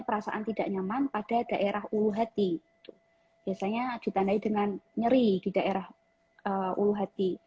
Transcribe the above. perasaan tidak nyaman pada daerah ulu hati biasanya ditandai dengan nyeri di daerah ulu hati